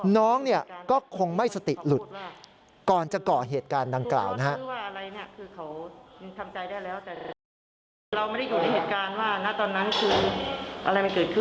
น้องเนี่ยก็คงไม่สติหลุดก่อนจะเกาะเหตุการณ์ดังกล่าวนะฮะ